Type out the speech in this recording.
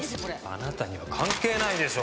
あなたには関係ないでしょう！